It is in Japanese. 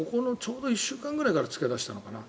ここ１週間ぐらいからつけ出したのかな